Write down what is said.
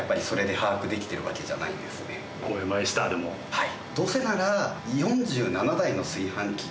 はい。